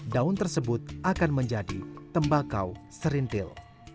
daun tersebut akan menjadi tembakau serintil